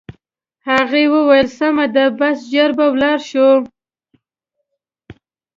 هغې وویل: سمه ده، بس ژر به ولاړ شو.